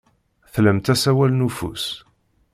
Tlamt asawal n ufus.